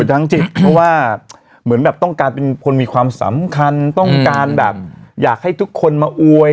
ทางจิตเพราะว่าเหมือนแบบต้องการเป็นคนมีความสำคัญต้องการแบบอยากให้ทุกคนมาอวย